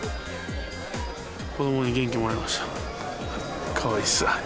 子どもに元気をもらいました。